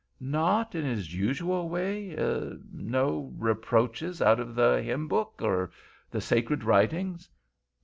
"Not in his usual way?—er—no reproaches out of the hymn book?—or the sacred writings?"